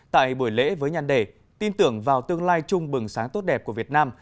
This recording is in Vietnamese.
tại buổi lễ với nhàn đề tin tưởng vào tương lai chung bừng sáng tốt đẹp của việt nam